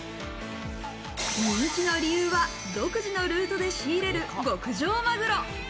人気の理由は独自のルートで仕入れる極上マグロ。